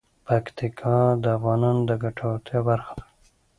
پکتیکا د افغانانو د ګټورتیا برخه ده.